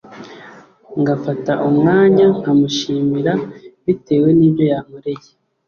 Ngafata umwanya nkamushimira bitewe nibyo yankoreye